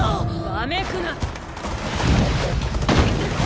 わめくな。